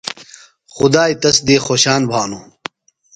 خُدائی تس دی خوشان بھانوۡ۔